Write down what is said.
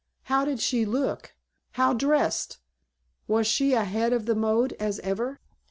How did she look? How dressed? Was she ahead of the mode as ever?